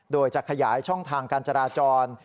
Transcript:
โดยจะขยายช่องทางการจราจร